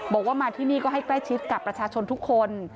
บอกว่ามาที่นี่ก็ให้ใกล้ชิดกับประชาชนทุกคน